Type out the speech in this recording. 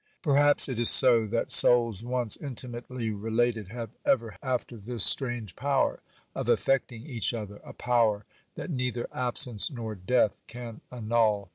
Perhaps it is so, that souls once intimately related have ever after this strange power of affecting each other,—a power that neither absence nor death can annul.